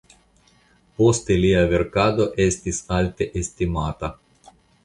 Poste lia verkado estis alte estimata.